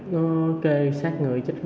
nó kê sát người